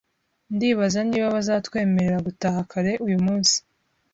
Ndibaza niba bazatwemerera gutaha kare uyu munsi